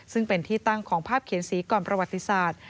ซึ่งเป็นที่ตั้งของภาพเขียนสีก่อนประวัติศาสตร์